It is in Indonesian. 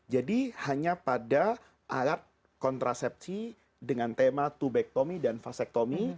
jadi hanya pada alat kontrasepsi dengan tema tubectomy dan vasectomy